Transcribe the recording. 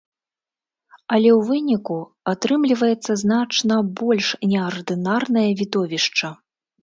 Але ў выніку атрымліваецца значна больш неардынарнае відовішча.